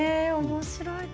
面白い。